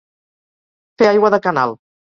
Fer aigua de canal.